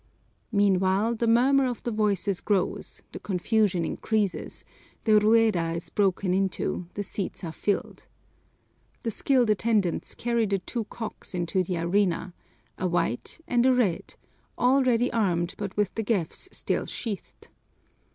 Meanwhile, the murmur of the voices grows, the confusion increases, the Rueda is broken into, the seats are filled. The skilled attendants carry the two cocks into the arena, a white and a red, already armed but with the gaffs still sheathed.